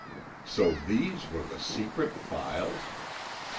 So these were the "secret files"!